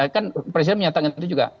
kan presiden menyatakan itu juga